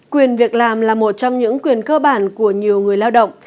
quyền việc làm là một trong những quyền cơ bản của nhiều người lao động